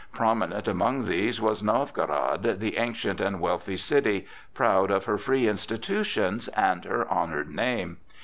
Prominent among these was Novgorod, the ancient and wealthy city, proud of her free institutions and her honored name.